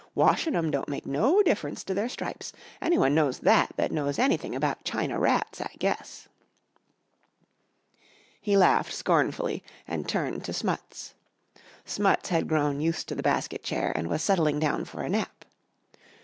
Washin' 'em don't make no difference to their stripes. Anyone knows that that knows anything about China rats, I guess." He laughed scornfully and turned to Smuts. Smuts had grown used to the basket chair and was settling down for a nap.